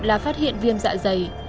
là phát hiện viêm tạ dày